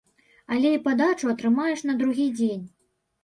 Але і падачу атрымаеш на другі дзень.